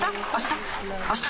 あした？